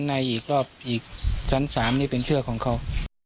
ในอีกรอบอีกชั้น๓นี่เป็นเสื้อของเขา